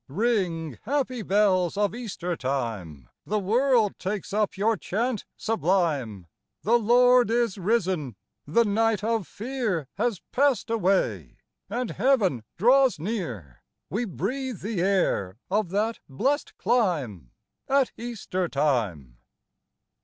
Ring, happy bells of Easter time ! The world takes up your chant sublime, "The Lord is risen !" The night of fear Has passed away, and heaven draws near : We breathe the air of that blest clime, At Easter time.